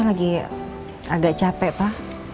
lagi agak capek pa